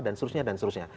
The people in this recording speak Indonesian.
dan seterusnya dan seterusnya